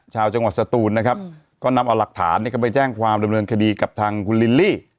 ชาวจังหวัดสตูนนะครับก็นำเอาหลักฐานเข้าไปแจ้งความดำเนินคดีกับทางคุณลิลลี่